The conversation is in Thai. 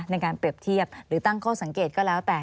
ในการเปรียบเทียบหรือตั้งข้อสังเกตก็แล้วแต่